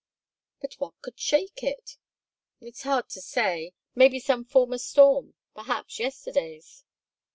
"But what could shake it?" "It is hard to say. Maybe some former storm, perhaps yesterday's."